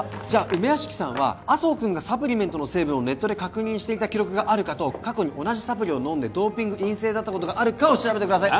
梅屋敷さんは麻生君がサプリメントの成分をネットで確認していた記録があるかと過去に同じサプリを飲んでドーピング陰性だったことがあるかを調べてください